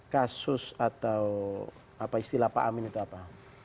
kasus atau apa istilah pak amin itu apa